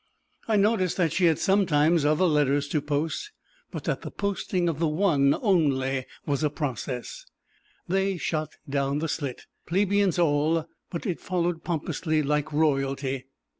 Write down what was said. I noticed that she had sometimes other letters to post, but that the posting of the one only was a process. They shot down the slit, plebeians all, but it followed pompously like royalty.